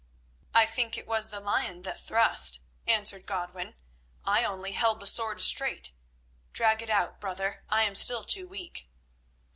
"I think it was the lion that thrust," answered Godwin. "I only held the sword straight. Drag it out, brother, I am still too weak."